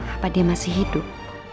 apa dia masih hidup